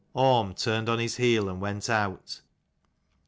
Orm turned on his heel and went out.